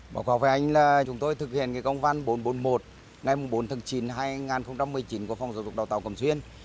bảo quản với anh là chúng tôi thực hiện công văn bốn trăm bốn mươi một ngày bốn tháng chín hai nghìn một mươi chín của phòng giáo dục đào tạo cẩm xuyên